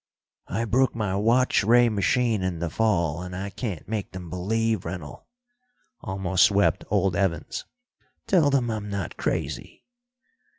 "I broke my watch ray machine in the fall, and I can't make them believe, Rennell," almost wept old Evans. "Tell them I'm not crazy."